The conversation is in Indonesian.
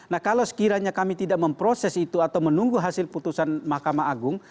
nah kalau sekiranya kami tidak memproses itu atau menunggu hasil putusan mahkamah agung